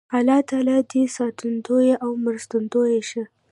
الله تعالی دې ساتندوی او مرستندوی شه